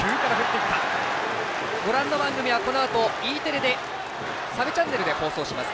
ご覧の番組はこのあとＥテレサブチャンネルで放送します。